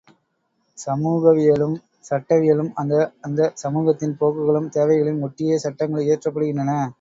சமூகவியலும் சட்டவியலும் அந்த அந்தச் சமூகத்தின் போக்குகளும் தேவைகளையும் ஒட்டியே சட்டங்கள் இயற்றப்படுகின்றன.